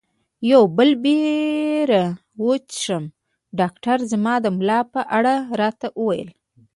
یو بل بیر وڅښم؟ ډاکټر زما د ملا په اړه راته وویل.